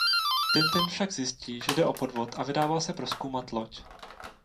Tintin však zjistí že jde o podvod a vydává se prozkoumat loď.